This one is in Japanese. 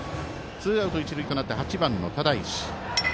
ツーアウト、一塁となって８番の只石。